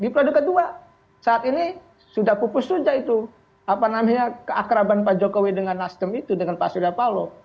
di periode kedua saat ini sudah pupus saja itu apa namanya keakraban pak jokowi dengan nasdem itu dengan pak surya paloh